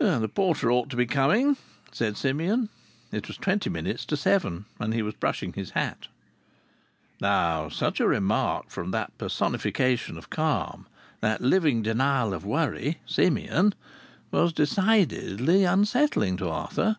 "The porter ought to be coming," said Simeon. It was twenty minutes to seven, and he was brushing his hat. Now such a remark from that personification of calm, that living denial of worry, Simeon, was decidedly unsettling to Arthur.